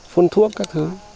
phun thuốc các thứ